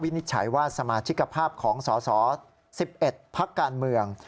นิจฉัยว่าสมาชิกภาพของสส๑๑พักการเมือง